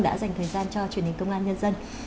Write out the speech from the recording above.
đã dành thời gian cho truyền hình công an nhân dân